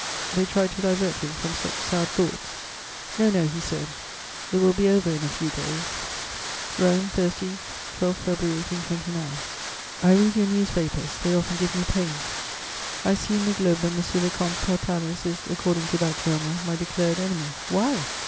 They tried to divert him from such sad thoughts: "'No, no,' he said; 'it will be over in a few days.'" "ROME, Thursday, 12 February 1829. "I read your newspapers. They often give me pain. I see in the Globe that Monsieur le Comte Portalis is, according to that journal, my declared enemy. Why?